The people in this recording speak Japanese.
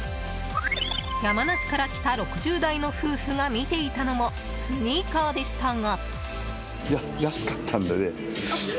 山梨から来た６０代の夫婦が見ていたのもスニーカーでしたが。